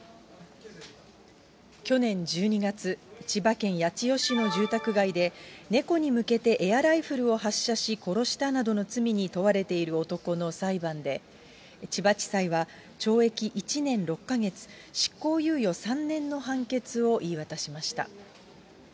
去年１２月、千葉県八千代市の住宅街で、猫に向けてエアライフルを発射し、殺したなどの罪に問われている男の裁判で、千葉地裁は懲役１年６か月、執行猶予３年の判決を言い渡しました。